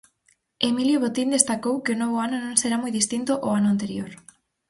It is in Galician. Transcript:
Emilio Botín destacou que o novo ano non será moi distinto ó ano anterior.